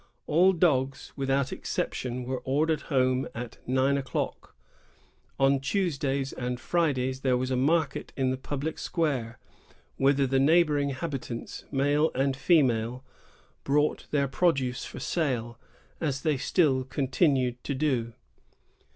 All dogs, without exception, were ordered home at nine o'clock. On Tuesdays and Fridays there was a market in the public square, whither the neighboring habitants^ male and female, brought their produce for sale, as they still continue to do.